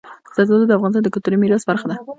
زردالو د افغانستان د کلتوري میراث برخه ده.